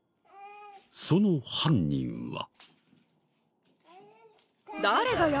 その犯人は。